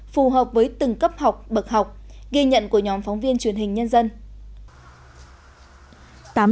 phù hợp với từng cấp học bậc học ghi nhận của nhóm phóng viên truyền hình nhân dân